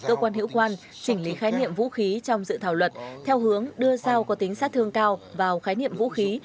cơ quan hữu quan chỉnh lý khái niệm vũ khí trong dự thảo luật theo hướng đưa dao có tính sát thương cao vào khái niệm vũ khí